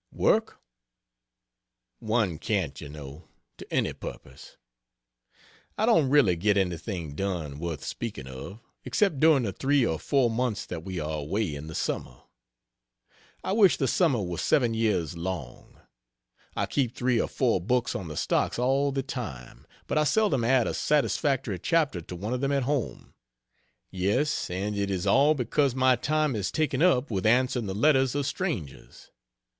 Work? one can't you know, to any purpose. I don't really get anything done worth speaking of, except during the three or four months that we are away in the Summer. I wish the Summer were seven years long. I keep three or four books on the stocks all the time, but I seldom add a satisfactory chapter to one of them at home. Yes, and it is all because my time is taken up with answering the letters of strangers.